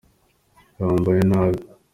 kambaye nabi